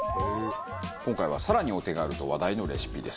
今回は更にお手軽と話題のレシピです。